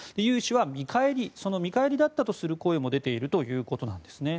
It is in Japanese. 融資はその見返りだったとする声も出ているということです。